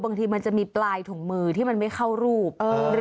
บางทีมันจะมีปลายถุงมือที่มันไม่เข้ารูป